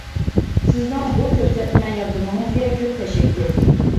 سىزنىڭ بۇ كۆرسەتمە ياردىمىڭىزگە كۆپ تەشەككۈر!